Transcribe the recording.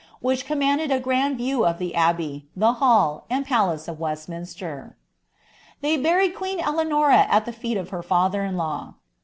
which ided a grand view of the abbey, the hall, and palace of West >' buried queen Eleanora at the feet of her fiither in law.